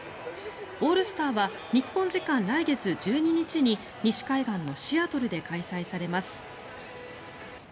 オールスターは日本時間来月１２日に西海岸のシアトルで開催されます。